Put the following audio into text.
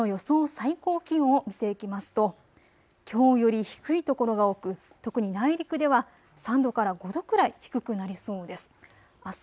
最高気温を見ていきますときょうより低い所が多く特に内陸では３度から５度くらい低くなりそうです。